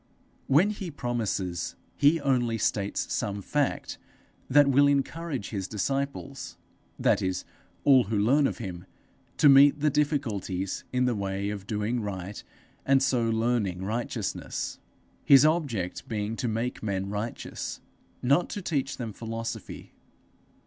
When he promises, he only states some fact that will encourage his disciples that is, all who learn of him to meet the difficulties in the way of doing right and so learning righteousness, his object being to make men righteous, not to teach them philosophy.